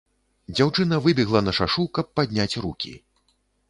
Дзяўчына выбегла на шашу, каб падняць рукі.